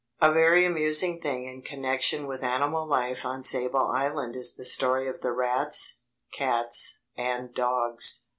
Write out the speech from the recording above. A very amusing thing in connection with animal life on Sable Island is the story of the rats, cats, and dogs.